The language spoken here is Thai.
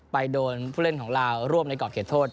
ไปโดนผู้เล่นของลาวร่วมในกรอบเขตโทษ